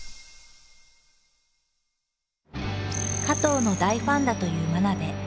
加藤の大ファンだという真鍋。